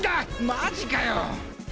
マジかよ！